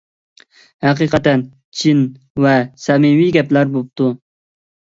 ھەقىقەتەن چىن ۋە سەمىمىي گەپلەر بوپتۇ.